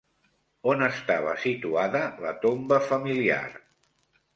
On estava situada la tomba familiar?